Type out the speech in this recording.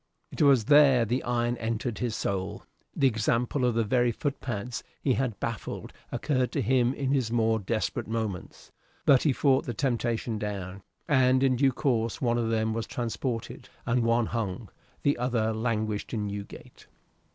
It was there the iron entered his soul. The example of the very footpads he had baffled occurred to him in his more desperate moments, but he fought the temptation down: and in due course one of them was transported, and one hung; the other languished in Newgate.